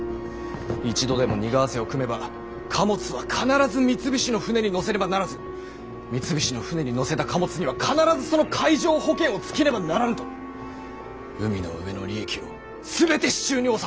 一度でも荷為替を組めば貨物は必ず三菱の船に載せねばならず三菱の船に載せた貨物には必ずその海上保険をつけねばならぬと海の上の利益を全て手中に収めようとしている。